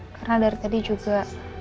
karena dari tadi juga